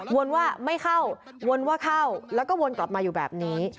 วนว่าไม่เข้าวนว่าเข้าแล้วก็วนกลับมาอยู่แบบนี้